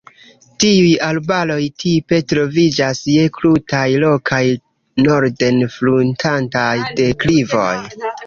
Tiuj arbaroj tipe troviĝas je krutaj, rokaj norden-fruntantaj deklivoj.